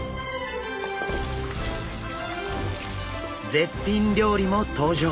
絶品料理も登場！